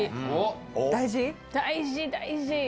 大事大事！